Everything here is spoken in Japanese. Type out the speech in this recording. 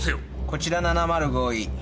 こちら７０５Ｅ。